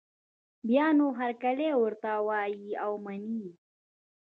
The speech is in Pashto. بیا نو هرکلی ورته وايي او مني یې